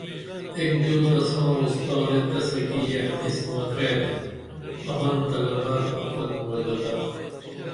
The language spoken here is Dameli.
ایک دیو تساں اُستادے تسہ کی یہ حدیث مترئے تے ۠فمن طلبہ فقد وجدہ۠